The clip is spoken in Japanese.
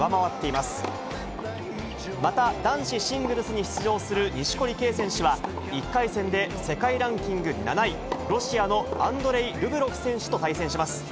また、男子シングルスに出場する錦織圭選手は、１回戦で世界ランキング７位、ロシアのアンドレイ・ルブレフ選手と対戦します。